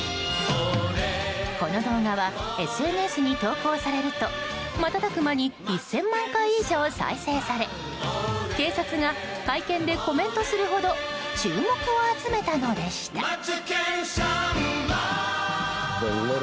この動画はＳＮＳに投稿されると瞬く間に１０００万回以上再生され警察が会見でコメントするほど注目を集めたのでした。